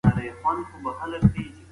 که ماښام وي نو دم نه پاتې کیږي.